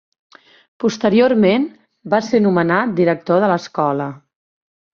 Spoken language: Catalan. Posteriorment va ser nomenat director de l'Escola.